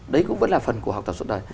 đấy cũng vẫn là phần của học tập suốt đời